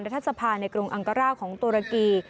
รัฐสภาในกรุงอังการ่าของตุรกี